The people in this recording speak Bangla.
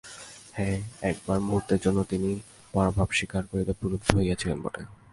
হাঁ, একবার মুহূর্তের জন্য তিনি পরাভব স্বীকার করিতে প্রলুব্ধ হইয়াছিলেন বটে।